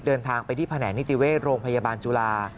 เดินทางไปที่แผนกนิติเวชโรงพยาบาลจุฬา